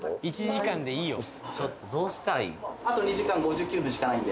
１時間でいいよちょっとどうしたらいい？